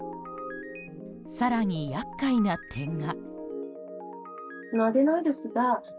更に、厄介な点が。